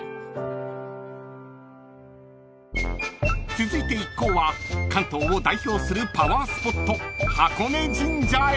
［続いて一行は関東を代表するパワースポット箱根神社へ］